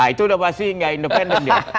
itu sudah pasti tidak independen